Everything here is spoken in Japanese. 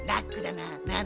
なな？